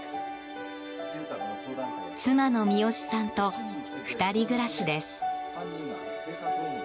妻の三四子さんと２人暮らしです。